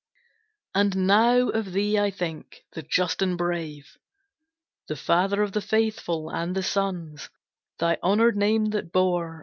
And now of thee I think, the just and brave, The Father of the faithful, and the sons Thy honored name that bore.